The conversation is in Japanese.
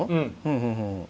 うん。